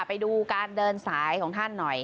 ไปดูการเดินสายของท่านหน่อย